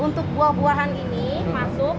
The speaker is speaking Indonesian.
untuk buah buahan ini masuk